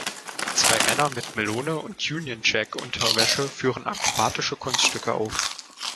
Zwei Männer mit Melone und Union Jack-Unterwäsche führen akrobatische Kunststücke auf.